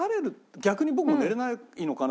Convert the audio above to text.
逆に僕も寝られないのかな。